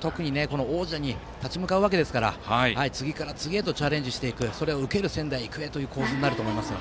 特に王者に立ち向かうわけですから次から次へとチャレンジしていくそれを受ける仙台育英という構図になると思います。